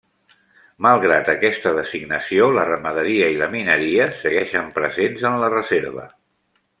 Malgrat aquesta designació, la ramaderia i la mineria segueixen presents en la Reserva.